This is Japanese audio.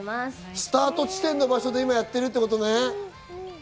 スタート地点の場所で今やってるってことね。